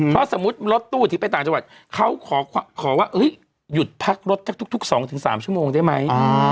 เพราะสมมุติรถตู้ที่ไปต่างจังหวัดเขาขอว่าหยุดพักรถแทบทุก๒๓ชั่วโมงได้ไหม